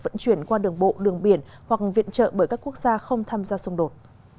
vận chuyển qua đường bộ đường biển hoặc viện trợ bởi các quốc gia không tham gia xung đột